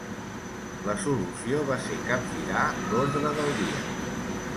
La solució va ser capgirar l'ordre del dia.